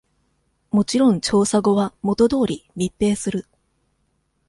もちろん調査後は、元通り密閉する。